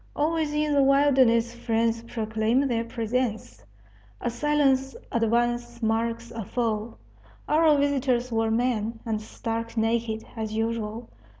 Always in the wilderness friends proclaim their presence; a silent advance marks a foe. Our visitors were men, and stark naked, as usual.